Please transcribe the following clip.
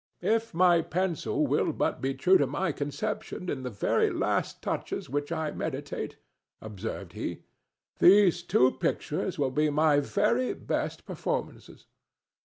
"If my pencil will but be true to my conception in the few last touches which I meditate," observed he, "these two pictures will be my very best performances.